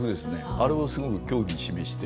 あれをすごく興味示して。